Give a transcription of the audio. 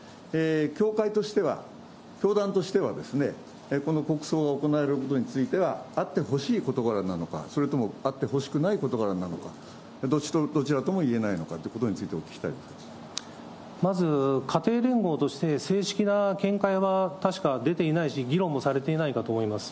教会としては、教団としては、この国葬が行われることについては、あってほしい事柄なのか、それとも、あってほしくない事柄なのか、どちらとも言えないのかということまず、家庭連合として、正式な見解は確か出ていないし、議論もされていないかと思います。